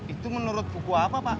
itu menurut buku apa pak